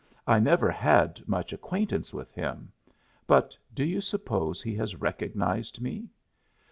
I never had much acquaintance with him, but do you suppose he has recognized me?